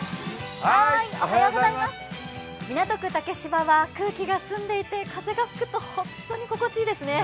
港区竹芝は空気が澄んでいて風が吹くと、本当に心地いいですね